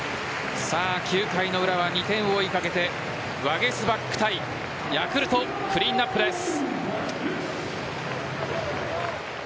９回の裏は２点を追いかけてワゲスパック対ヤクルトクリーンアップです。